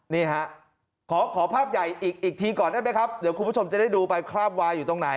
นี่ฮะขอขอภาพใหญ่อีกทีก่อนได้ไหมครับเดี๋ยวคุณผู้ชมจะได้ดูไปคราบวายอยู่ตรงไหน